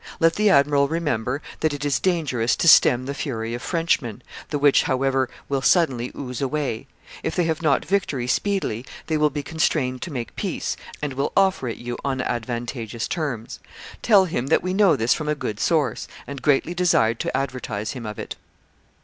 Let the admiral remember that it is dangerous to stem the fury of Frenchmen, the which, however, will suddenly ooze away; if they have not victory speedily, they will be constrained to make peace, and will offer it you on advantageous terms. Tell him that we know this from a good source, and greatly desired to advertise him of it.